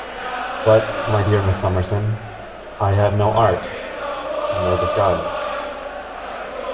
But, my dear Miss Summerson, I have no art, no disguise.